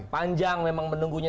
panjang memang menunggunya